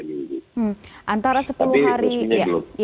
tapi resminya belum